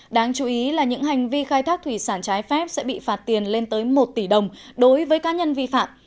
đáng chú ý là những hành vi khai thác thủy sản trái phép sẽ bị phạt tiền lên tới một tỷ đồng đối với cá nhân vi phạm